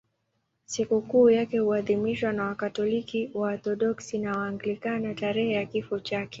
Sikukuu yake huadhimishwa na Wakatoliki, Waorthodoksi na Waanglikana tarehe ya kifo chake.